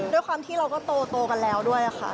ด้วยความที่เราก็โตกันแล้วด้วยค่ะ